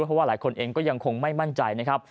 เพราะว่าหลายคนเองก็ยังคงไม่มั่นใจนะครับ